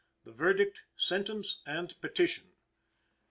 THE VERDICT, SENTENCE AND PETITION.